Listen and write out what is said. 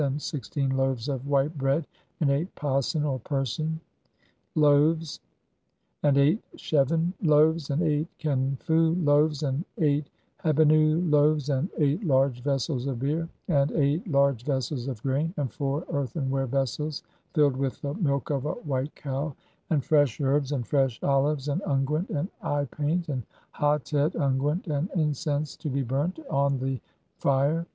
; AND SIXTEEN LOAVES OF WHITE BREAD, AND EIGHT PASEN (OR PERSEN) LOAVES, AND EIGHT SHENEN LOAVES, AND EIGHT KHENFU LOAVES, AND EIGHT HEBENNU LOAVES, AND EIGHT LARGE VESSELS OF BEER, AND (26) [EIGHT] LARGE VESSELS OF GRAIN ; AND FOUR EARTHENWARE VESSELS FILLED WITH THE MILK OF A WHITE COW, AND FRESH HERBS, AND FRESH OLIVES, AND UNGUENT, AND EYE PAINT, AND HATET (27) UNGUENT, AND INCENSE [TO BE BURNT] ON THE FIRE.